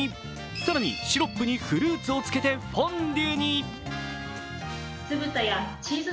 更にシロップにフルーツを漬けてフォンデュに。